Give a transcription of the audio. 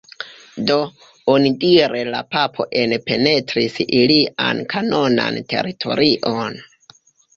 Do, onidire la papo enpenetris ilian kanonan teritorion.